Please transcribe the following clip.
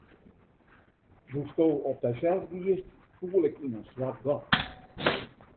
Doe'tsto op dysels giest, foel ik yn in swart gat.